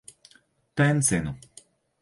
Tencinu.